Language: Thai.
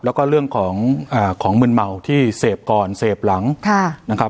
แล้วก็เรื่องของของมืนเมาที่เสพก่อนเสพหลังนะครับ